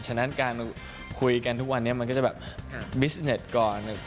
ฉะนั้นการคุยกันทุกวันนี้มันก็จะแบบบิสเน็ตก่อน